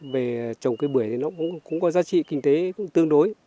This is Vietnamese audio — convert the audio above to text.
về trồng cây bưởi thì nó cũng có giá trị kinh tế cũng tương đối